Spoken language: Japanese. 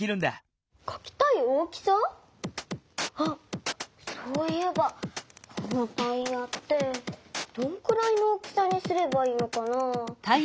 あっそういえばこのタイヤってどんくらいの大きさにすればいいのかな？